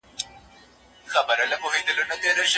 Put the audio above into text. څنګه بند جوړ شو؟